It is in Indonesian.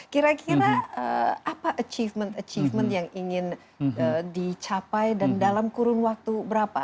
kira kira apa achievement achievement yang ingin dicapai dan dalam kurun waktu berapa